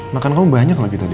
makan kamu banyak lagi tadi